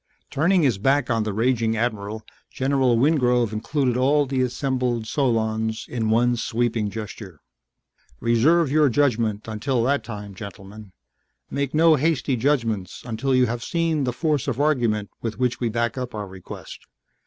Turning his back on the raging admiral, General Wingrove included all the assembled solons in one sweeping gesture. "Reserve your judgment until that time, gentlemen, make no hasty judgments until you have seen the force of argument with which we back up our request.